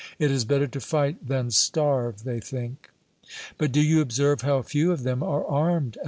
It is better to fight than starve, they think." "But do you observe how few of them are armed?"